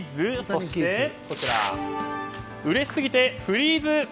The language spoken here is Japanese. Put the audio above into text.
そして、うれしすぎてフリーズ。